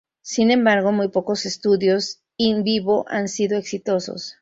Sin embargo, muy pocos estudios in vivo han sido exitosos.